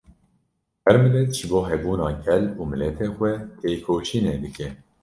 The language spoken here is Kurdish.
Her milet ji bo hebûna gel û miletê xwe têkoşînê dike